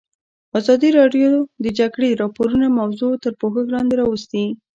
ازادي راډیو د د جګړې راپورونه موضوع تر پوښښ لاندې راوستې.